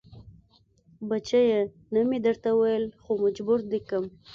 بچيه نه مې درته ويل خو مجبور دې کم.